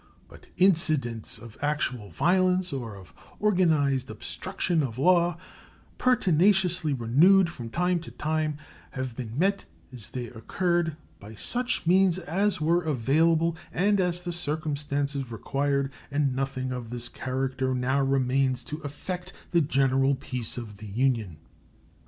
But incidents of actual violence or of organized obstruction of law, pertinaciously renewed from time to time, have been met as they occurred by such means as were available and as the circumstances required, and nothing of this character now remains to affect the general peace of the Union.